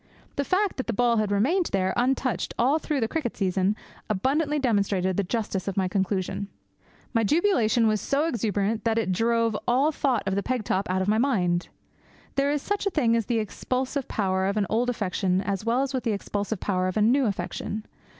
The fact that the ball had remained there, untouched, all through the cricket season abundantly demonstrated the justice of my conclusion. My jubilation was so exuberant that it drove all thought of the peg top out of my mind. There is such a thing as the expulsive power of an old affection as well as the expulsive power of a new affection.